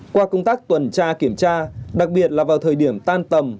qua công tác tuần tra kiểm tra đặc biệt là vào thời điểm tan tầm